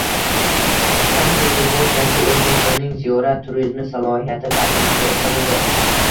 Sank-Peterburgda O‘zbekistonning ziyorat turizmi salohiyati taqdimoti o‘tkazildi